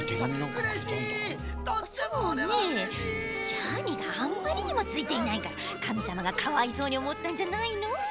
ジャーニーがあんまりにもついていないからかみさまがかわいそうにおもったんじゃないの？